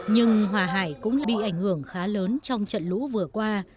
nhưng hòa hải cũng bị ảnh hưởng khá lớn trong trận lũ vừa qua